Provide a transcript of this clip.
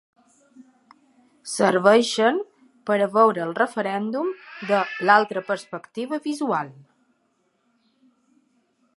Serveixen per a veure el referèndum de l’altra perspectiva visual.